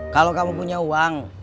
kalau kamu punya uang